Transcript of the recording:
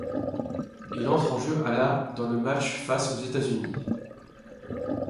Il entre en jeu à la dans le match face aux États-Unis.